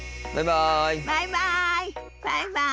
バイバイ。